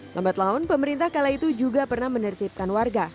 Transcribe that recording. lambat laun pemerintah kala itu juga pernah menertibkan warga